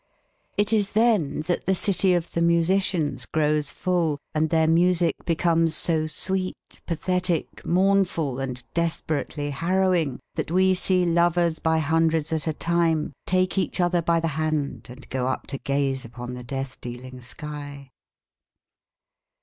It is then that the city of the musicians grows full and their music becomes so sweet, pathetic, mournful, and desperately harrowing that we see lovers by hundreds at a time take each other by the hand and go up to gaze upon the death dealing sky....